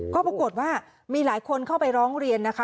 ก็ปรากฏว่ามีหลายคนเข้าไปร้องเรียนนะคะ